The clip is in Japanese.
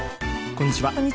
こんにちは。